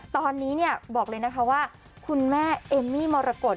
ตอนนี้เนี่ยบอกเลยนะคะว่าคุณแม่เอมมี่มรกฏ